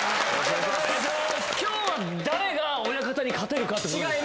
今日は誰が親方に勝てるかってことですか？